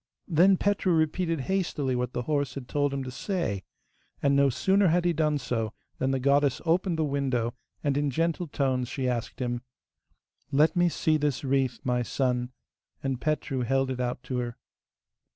Then Petru repeated hastily what the horse had told him to say, and no sooner had he done so than the goddess opened the window, and in gentle tones she asked him: 'Let me see this wreath, my son,' and Petru held it out to her.